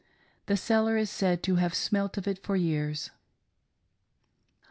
The cellar is said to have smelt of it for years.